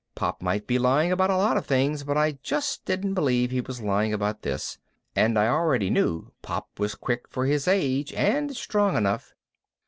Pop might be lying about a lot of things, but I just didn't believe he was lying about this. And I already knew Pop was quick for his age and strong enough.